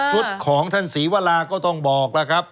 ของท่านศรีวราก็ต้องบอกแล้วครับ